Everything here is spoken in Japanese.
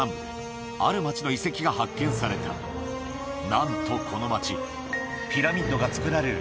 なんとこの町ピラミッドが造られる